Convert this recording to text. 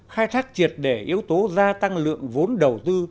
khai thác triệt để yếu tố gia tăng lượng vốn đầu tư